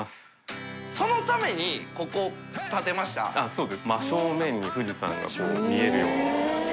そうです。